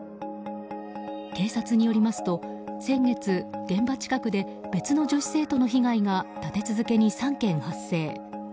警察によりますと先月、現場近くで別の女子生徒の被害が立て続けに３件発生。